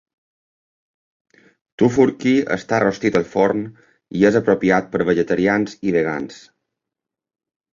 Tofurkey està rostit al forn i és apropiat per vegetarians i vegans.